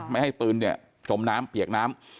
ไม่ให้ปืนเนี่ยจมน้ำเปียกน้ำ